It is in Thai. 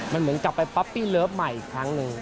มันเหมือนกลับไปป๊อปปี้เลิฟใหม่อีกครั้งหนึ่ง